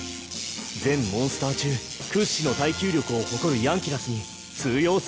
全モンスター中屈指の耐久力を誇るヤンキラスにグオォーー！